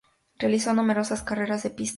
Realizó numerosas carreras de pistas.